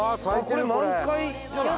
これ満開じゃない？